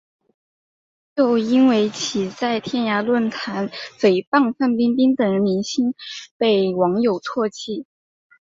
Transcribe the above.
又因为其在天涯论坛诽谤范冰冰等明星被网友唾弃。